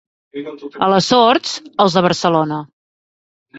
A les Sorts, els de Barcelona.